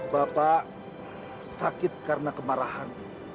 bapak sakit karena kemarahan